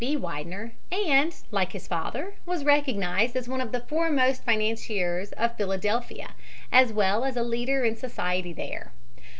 B. Widener and, like his father, was recognized as one of the foremost financiers of Philadelphia as well as a leader in society there.